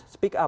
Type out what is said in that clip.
tapi speak up